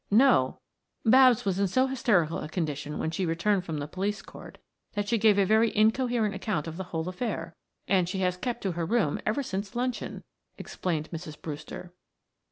"No. Babs was in so hysterical a condition when she returned from the police court that she gave a very incoherent account of the whole affair, and she has kept her room ever since luncheon," explained Mrs. Brewster.